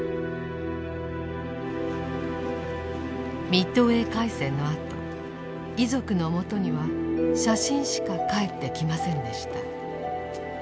ミッドウェー海戦のあと遺族のもとには写真しか還ってきませんでした。